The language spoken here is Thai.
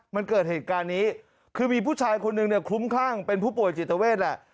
มันเกิดเหตุการณ์นี้คือมีผู้ชายคนหนึ่งเนี่ยคลุ้มคลั่งเป็นผู้ป่วยจิตเวทแหละ